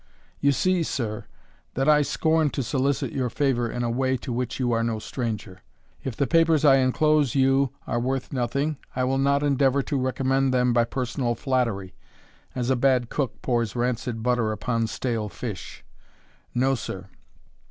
You see, sir, that I scorn to solicit your favour in a way to which you are no stranger. If the papers I enclose you are worth nothing, I will not endeavour to recommend them by personal flattery, as a bad cook pours rancid butter upon stale fish. No, sir!